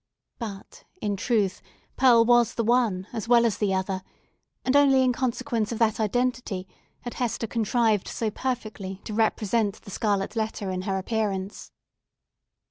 But, in truth, Pearl was the one as well as the other; and only in consequence of that identity had Hester contrived so perfectly to represent the scarlet letter in her appearance.